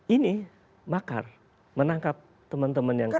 ini makar menangkap teman teman yang lain